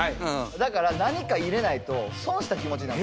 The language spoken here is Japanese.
だから何か入れないと損した気持ちになる。